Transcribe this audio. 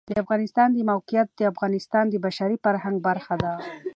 د افغانستان د موقعیت د افغانستان د بشري فرهنګ برخه ده.